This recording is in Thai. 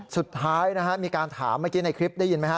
สุดท้ายนะฮะมีการถามเมื่อกี้ในคลิปได้ยินไหมฮ